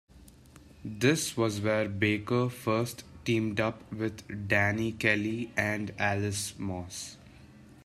This was where Baker first teamed up with Danny Kelly and Allis Moss.